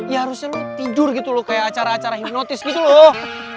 ya harusnya tidur gitu loh kayak acara acara hipnotis gitu loh